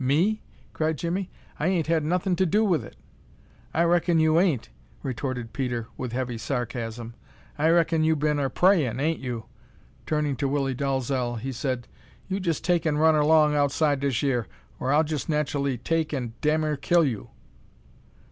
"Me?" cried Jimmie. "I 'ain't had nothin' to do with it." "I raikon you 'ain't," retorted Peter, with heavy sarcasm. "I raikon you been er prayin', 'ain't you?" Turning to Willie Dalzel, he said, "You jest take an' run erlong outer dish yere or I'll jest nachually take an' damnearkill you."